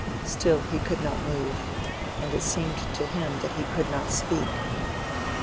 Still he could not move; and it seemed to him that he could not speak.